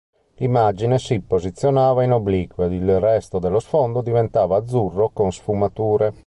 L'immagine si posizionava in obliquo e il resto dello sfondo diventava azzurro con sfumature.